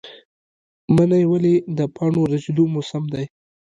منی ولې د پاڼو ریژیدو موسم دی؟